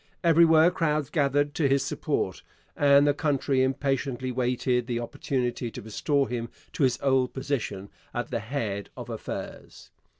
Everywhere crowds gathered to his support, and the country impatiently waited the opportunity to restore him to his old position at the head of affairs.